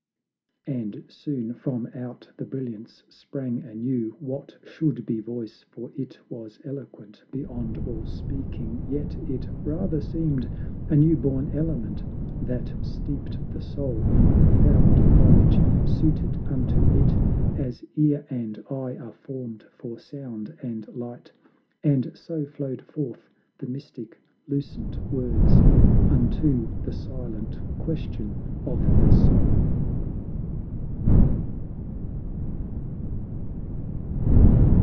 And soon from out the brilliance sprang anew What should be voice, for it was eloquent Beyond all speaking; yet it rather seemed A new born element, that steeped the soul In profound knowledge, suited unto it As ear and eye are formed for sound and light: And so flowed forth the mystic, lucent words Unto the silent question of her soul.